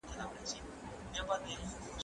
ته ولي لوبه کوې!.